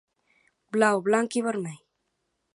Blau, blanc i vermell.